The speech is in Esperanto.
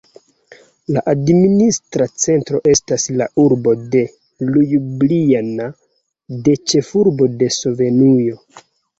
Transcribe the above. La administra centro estas la urbo de Ljubljana, la ĉefurbo de Slovenujo.